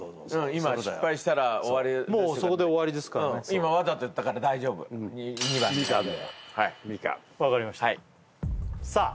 今失敗したら終わりもうそこで終わりですからね今わざと言ったから大丈夫２番でみかんではいみかん分かりましたさあ